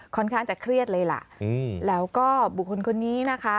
ค่อนข้างจะเครียดเลยล่ะแล้วก็บุคคลคนนี้นะคะ